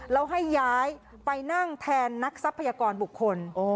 แล้วให้ย้ายไปนั่งแทนนักทรัพยากรบุคคล